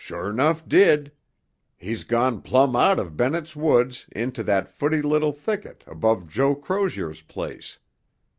"Sure 'nough did! He's gone plumb out of Bennett's Woods into that footy little thicket above Joe Crozier's place.